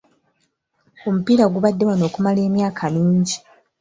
Omupiira gubadde wano okumala emyaka mingi.